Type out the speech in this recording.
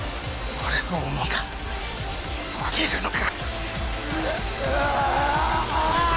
俺の思いが負けるのか！？